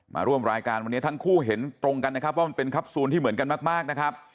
มาร่วมรายการวันนี้ทั้งคู่เห็นตรงกันนะครับว่ามันเป็นแคปซูลที่เหมือนกันมากนะครับ